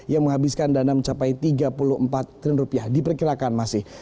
yang menghabiskan dana mencapai tiga puluh empat triliun rupiah diperkirakan masih